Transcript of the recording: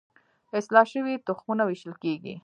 اصلاح شوي تخمونه ویشل کیږي.